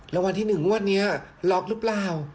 แล้ววันที่หนึ่งวันนี้ล็อคหรือเปล่า